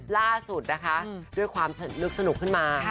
ล่าสุดนะคะด้วยความนึกสนุกขึ้นมา